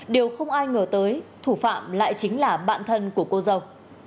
điều không ai ngờ tới thủ phạm lại chính là bạn thân của cô dâu